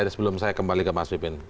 sebelum saya kembali ke mas pipin